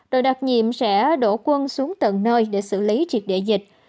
đội đặc nhiệm sẽ đổ quân xuống tận nơi để xử lý triệt địa dịch